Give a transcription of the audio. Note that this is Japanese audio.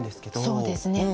そうですね。